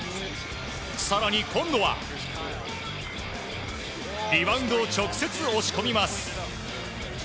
更に今度はリバウンドを直接押し込みます。